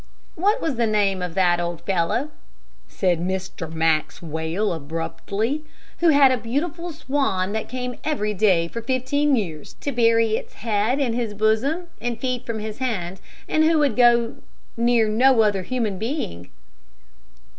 '" "What was the name of that old fellow," said Mr. Maxwell, abruptly, "who had a beautiful swan that came every day for fifteen years, to bury its head in his bosom and feed from his hand, and would go near no other human being?"